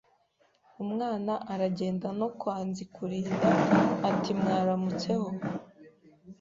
Umwana aragenda no kwa Nzikurinda ati Mwaramutseho